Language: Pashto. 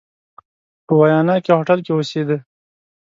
په ویانا کې هوټل کې اوسېدی.